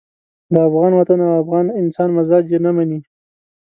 د افغان وطن او افغان انسان مزاج یې نه مني.